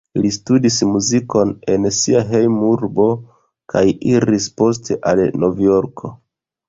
Li studis muzikon en sia hejmurbo kaj iris poste al Novjorko.